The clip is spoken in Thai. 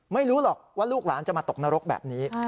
ไม่รู้หรอกว่าลูกหลานจะมาตกนรกแบบนี้